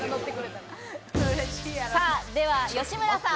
では吉村さん、